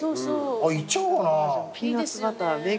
いっちゃおうかな。